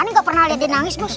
ini gak pernah liat dia nangis bos